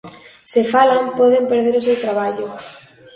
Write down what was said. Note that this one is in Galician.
Se falan, poden perder o seu traballo.